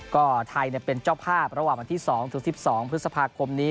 ก็ไทยเป็นเจ้าภาพระหว่างวันที่๒ถึง๑๒พฤษภาคมนี้